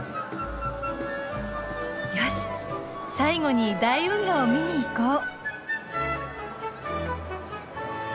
よし最後に大運河を見に行こう。